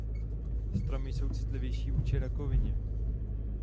Stromy jsou citlivější vůči rakovině.